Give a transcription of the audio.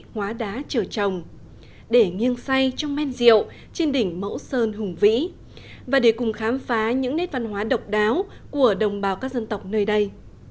hóa đá chở chồng để nghiêng say trong men rượu trên đỉnh mẫu sơn hùng vĩ và để cùng khám phá những nét văn hóa độc đáo của đồng bào các dân tộc nơi đây